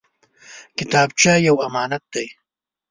کتابچه یو امانت دی